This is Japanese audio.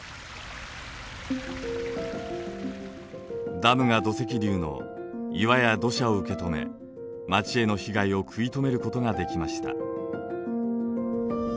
ダムが土石流の岩や土砂を受け止め町への被害を食い止めることができました。